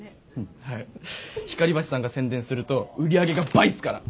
光橋さんが宣伝すると売り上げが倍っすから。